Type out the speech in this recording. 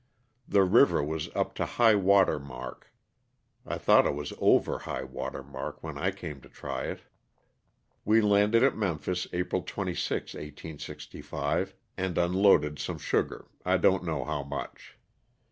The river was up to high water mark (I thought it was over high water mark when I came to try it). We landed at Memphis, April 26, 1865, and unloaded some sugar, I donH know how much.